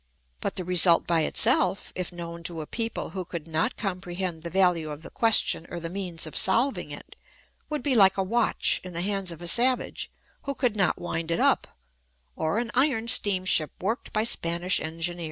But the result by itself, if known to a people who could not compre hend the value of the question or the means of solving it, would be like a watch in the hands of a savage who could not wind it up, or an iron steamship worked by Spanish engineers.